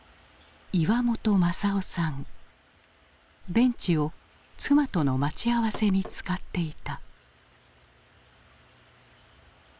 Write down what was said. ベンチを妻との待ち合わせに使っていた。